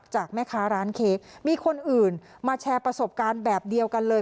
จากแม่ค้าร้านเค้กมีคนอื่นมาแชร์ประสบการณ์แบบเดียวกันเลย